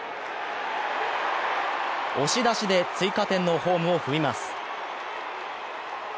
押し出しで追加点のホームを踏みます。